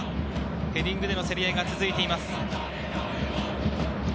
ヘディングでの競り合いが続いています。